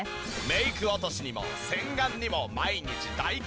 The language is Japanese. メイク落としにも洗顔にも毎日大活躍！